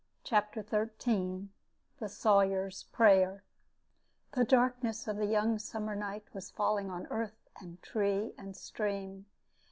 CHAPTER XIII THE SAWYER'S PRAYER The darkness of young summer night was falling on earth and tree and stream.